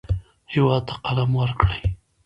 هېواد ته قلم ورکړئ